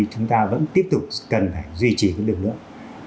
chúng ta vẫn tiếp tục cần phải duy trì lực lượng